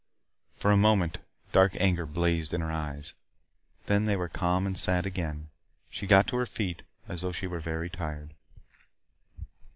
For a moment dark anger blazed in her eyes. Then they were calm and sad again. She got to her feet, as though she were very tired.